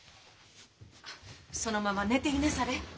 あっそのまま寝ていなされ。